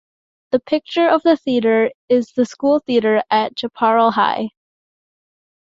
The picture of the theatre is the school theatre at Chaparral High.